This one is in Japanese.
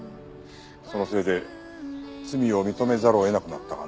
そのせいで罪を認めざるを得なくなったがな。